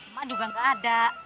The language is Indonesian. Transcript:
emang juga gak ada